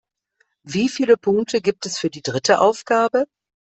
Wie viele Punkte gibt es für die dritte Aufgabe?